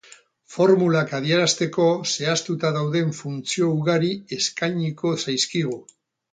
Formulak adierazteko zehaztuta dauden funtzio ugari eskainiko zaizkigu.